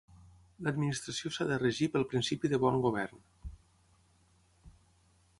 L'Administració s'ha de regir pel principi de bon govern.